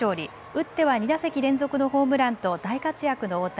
打っては２打席連続のホームランと大活躍の大谷。